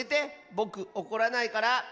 ぼくおこらないから。